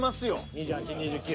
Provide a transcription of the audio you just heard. ２８２９？